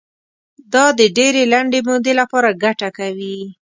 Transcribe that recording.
دا د ډېرې لنډې مودې لپاره ګټه کوي.